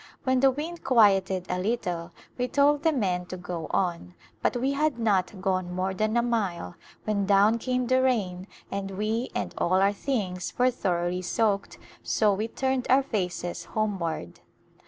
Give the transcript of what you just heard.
When the wind quieted a little we told the men to go on, but we had not gone more than a mile when down came the rain and we and all our things were thoroughly soaked, so we turned our faces homeward.